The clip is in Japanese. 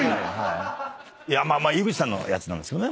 ⁉井口さんのやつなんですけどね